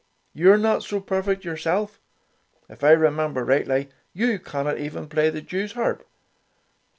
You are not so perfect, yourself. If I remember rightly, you cannot even play the Jewsharp.